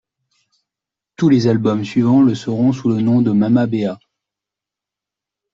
Tous les albums suivants le seront sous le nom de Mama Béa.